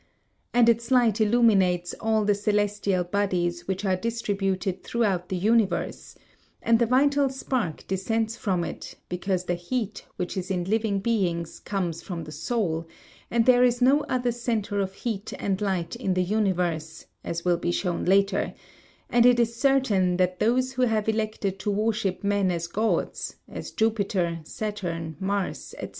And its light illumines all the celestial bodies which are distributed throughout the universe; and the vital spark descends from it, because the heat which is in living beings comes from the soul, and there is no other centre of heat and light in the universe, as will be shown later; and it is certain that those who have elected to worship men as gods as Jupiter, Saturn, Mars, &c.